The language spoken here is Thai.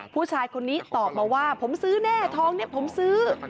ผู้ชายคนนี้ตอบมาว่าผมซื้อแน่ทองเนี่ยผมซื้อ